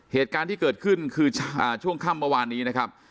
เหตุการณ์ที่เกิดขึ้นคือช่วงค่ำเมื่อวานนี้นะครับ